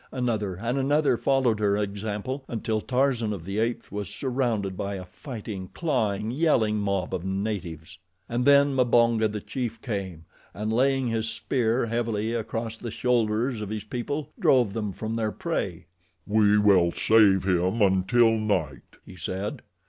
Another and another followed her example, until Tarzan of the Apes was surrounded by a fighting, clawing, yelling mob of natives. And then Mbonga, the chief, came, and laying his spear heavily across the shoulders of his people, drove them from their prey. "We will save him until night," he said.